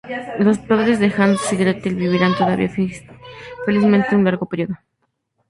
Los padres de Hans y Gretel vivirán todavía felizmente un largo período.